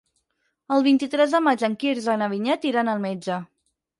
El vint-i-tres de maig en Quirze i na Vinyet iran al metge.